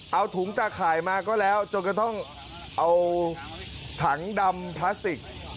เอาถุงตาข่ายมาก็แล้วจนกระทั่งเอาถังดำพลาสติก